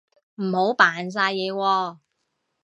唔好扮晒嘢喎